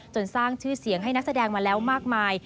สร้างชื่อเสียงให้นักแสดงมาแล้วมากมาย